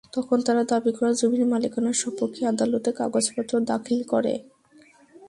তখন তারা দাবি করা জমির মালিকানার সপক্ষে আদালতে কাগজপত্র দাখিল করে।